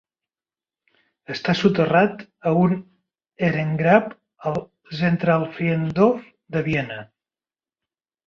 Està soterrat a un Ehrengrab al Zentralfriedhof de Viena.